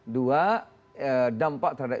dua dampak terhadap